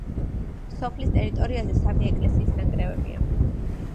სოფლის ტერიტორიაზე სამი ეკლესიის ნანგრევებია.